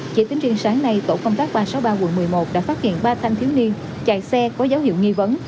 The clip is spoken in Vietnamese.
chỉ tính riêng sáng nay tổ công tác ba trăm sáu mươi ba quận một mươi một đã phát hiện ba thanh thiếu niên chạy xe có dấu hiệu nghi vấn